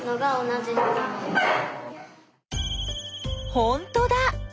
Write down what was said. ほんとだ！